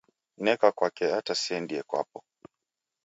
Neka kwake ata siendie kwapo